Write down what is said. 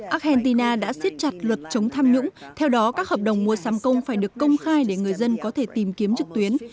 argentina đã xiết chặt luật chống tham nhũng theo đó các hợp đồng mua sắm công phải được công khai để người dân có thể tìm kiếm trực tuyến